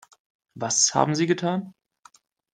Was haben Sie getan?